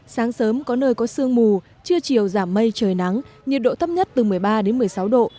sáng sớm có nơi có sương mù trưa chiều giảm mây trời nắng nhiệt độ thấp nhất từ một mươi ba đến một mươi sáu độ